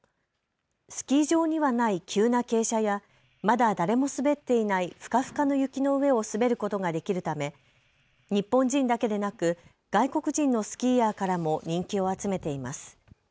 スキー場にはない急な傾斜やまだ誰も滑っていないふかふかの雪の上を滑ることができるため日本人だけでなく外国人のスキーヤーからも人気を集めています。